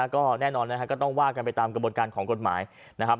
ก็แน่นอนนะครับก็ต้องว่ากันไปตามกระบวนการของกฎหมายนะครับ